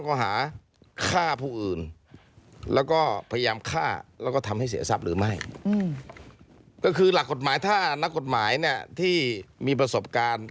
ก็คือหลักกฎหมายถ้านักกฎหมายเนี่ยที่มีประสบการณ์